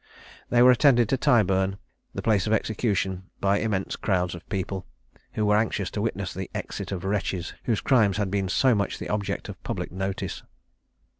They were attended to Tyburn, the place of execution, by immense crowds of people, who were anxious to witness the exit of wretches, whose crimes had been so much the object of public notice.